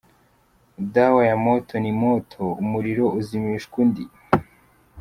Dawa ya moto ni moto: umuriro uzimishwa undi.